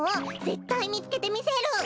ぜったいみつけてみせる！